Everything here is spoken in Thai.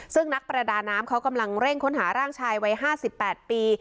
ซึ่งนักประดาน้ำเขากำลังเร่งค้นหาร่างชายวัย๕๘ปี